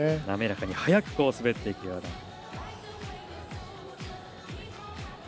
滑らかに速く滑っていくような。